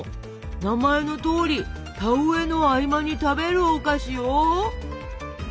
名前のとおり田植えの合間に食べるお菓子よ。